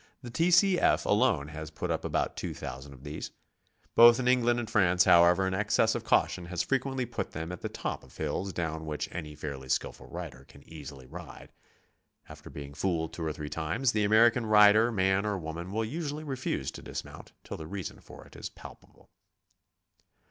The T. C. F. alone has put up about 2,000 of these. Both in England and France, however, an excess of caution has frequently put them at the top of hills down which any fairly skilful rider can easily ride. After being .fooled two or three times, the American rider, man or woman, will usually refuse to dismount till the reason for it is palpable.